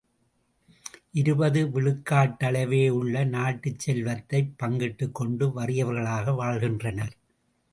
இருபது விழுக்காட்டளவேயுள்ள நாட்டுச் செல்வத்தைப் பங்கிட்டுக்கொண்டு வறியவர்களாக வாழ்கின்றனர்.